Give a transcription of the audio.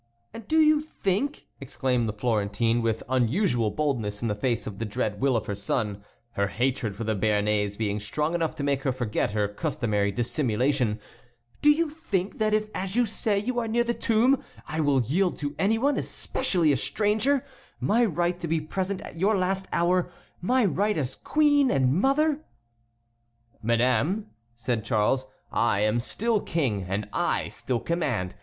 "And do you think," exclaimed the Florentine, with unusual boldness in the face of the dread will of her son, her hatred for the Béarnais being strong enough to make her forget her customary dissimulation,—"do you think that if, as you say, you are near the tomb, I will yield to any one, especially a stranger, my right to be present at your last hour; my right as queen and mother?" "Madame," said Charles, "I am still King; and I still command.